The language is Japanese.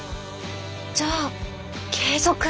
じゃあ継続。